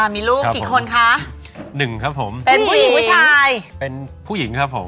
เป็นคนคะ๑ครับผมเป็นผู้หญิงผู้ชายเป็นผู้หญิงครับผม